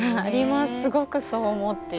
すごくそう思っていて。